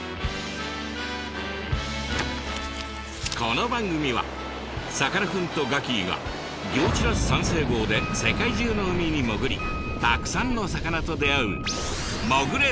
この番組はさかなクンとガキィがギョーチラス三世号で世界中の海に潜りたくさんの魚と出会う「潜れ！